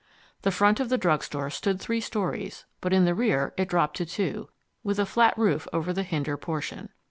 The front of the drug store stood three storeys, but in the rear it dropped to two, with a flat roof over the hinder portion.